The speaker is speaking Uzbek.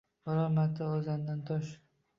Biror marta o’zandan tosh